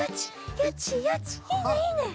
いいねいいね！